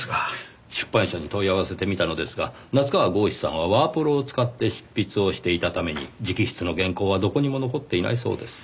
出版社に問い合わせてみたのですが夏河郷士さんはワープロを使って執筆をしていたために直筆の原稿はどこにも残っていないそうです。